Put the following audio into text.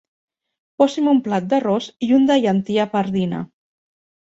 Posi'm un plat d'arròs i un de llentia pardina.